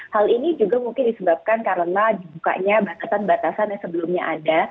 hal ini juga mungkin disebabkan karena dibukanya batasan batasan yang sebelumnya ada